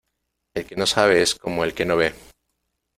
El que no sabe es como el que no ve.